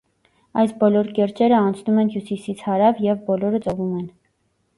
Այս բոլոր կիրճերը անցնում են հյուսիսից հարավ, և բոլորը ծովում են։